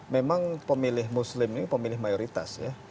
memang pemilih muslim ini pemilih mayoritas ya